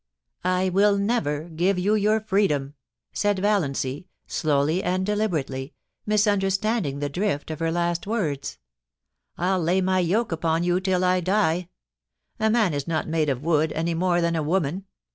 * I will never give you your freedom,' said Valiancy, slowly and deliberately, misunderstanding the drift of her last words. * I'll lay my yoke upon you till I die. A man is not made of wood any more than a woman.